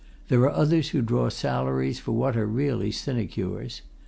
There are others who draw salaries for what are really sinecures.